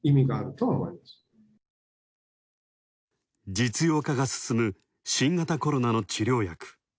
実用化が進む新型コロナの治療薬。